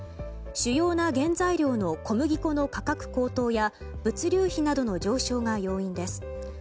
主要な原材料の小麦粉の価格高騰や物流費などの上昇が要因です。